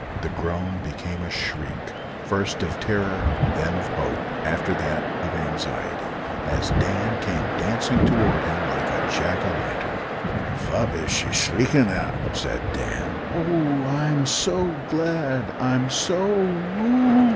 The groan became a shriek, first of terror, then of hope, after that of anxiety, as Dan came dancing towards him like a Jack o' lantern. "Fat is she shriekin' at?" said Dan. "Oh! I'm so glad I'm so o ow hoo!"